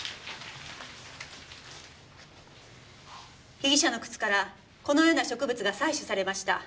被疑者の靴からこのような植物が採取されました。